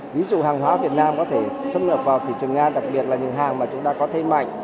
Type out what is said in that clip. ví dụ hàng hóa việt nam có thể xâm nhập vào thị trường nga đặc biệt là những hàng mà chúng ta có thêm mạnh